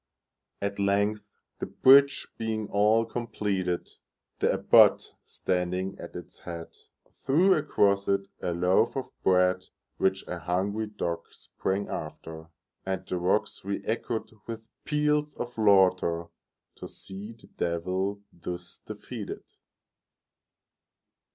At length, the bridge being all completed, The Abbot, standing at its head, Threw across it a loaf of bread, Which a hungry dog sprang after, And the rocks reëchoed with peals of laughterTo see the Devil thus defeated!